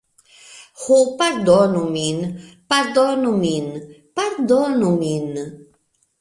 "Ho, pardonu min. Pardonu min. Pardonu min."